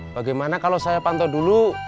bagaimana kalau saya pantau dulu